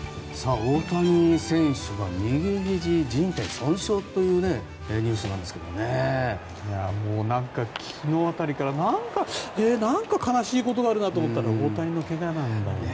大谷選手が右ひじじん帯損傷というなんか昨日辺りからなんか悲しいことがあるなと思ったら大谷の怪我なんだよね。